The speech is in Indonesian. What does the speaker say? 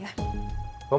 kau mau kemana